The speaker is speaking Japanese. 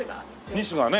ニスがね。